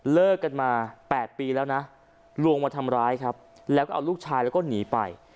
เลิกกันมา๘ปีแล้วนะลวงมาทำร้ายครับแล้วก็เอาลูกชายแล้วก็หนีไป